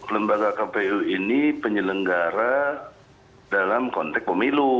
lembaga kpu ini penyelenggara dalam konteks pemilu